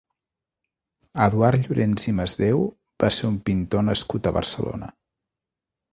Eduard Llorens i Masdeu va ser un pintor nascut a Barcelona.